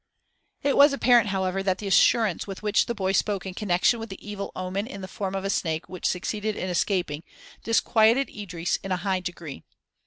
It was apparent, however, that the assurance with which the boy spoke in connection with the evil omen in the form of a snake which succeeded in escaping, disquieted Idris in a high degree.